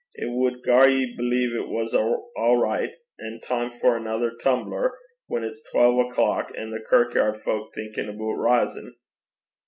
It wad gar ye believe it was a' richt, and time for anither tum'ler, whan it's twal o'clock, an' the kirkyaird fowk thinkin' aboot risin'.